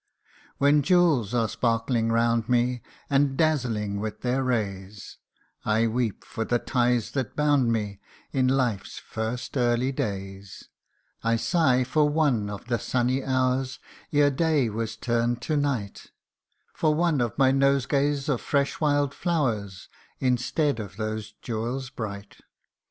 When jewels are sparkling round me, And dazzling with their rays, I weep for the ties that bound me In life's first early days. MY CHILDHOOD'S HOME. 181 I sigh for one of the sunny hours Ere day was turned to night ; For one of my nosegays of fresh wild flowers, Instead of those jewels bright.